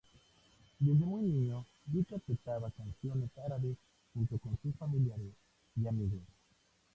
Desde muy niño ya interpretaba canciones árabes junto con sus familiares y amigos.